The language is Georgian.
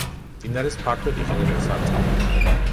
მდინარეს ფართოდ იყენებენ სარწყავად.